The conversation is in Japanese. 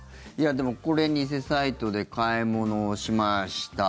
でも、これ偽サイトで買い物をしました。